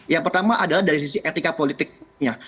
yang pertama adalah dari sisi etika politiknya